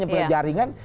yang punya jaringan